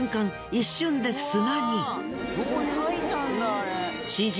一瞬で砂に。